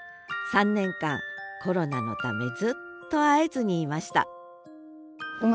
３年間コロナのためずっと会えずにいましたあらそう。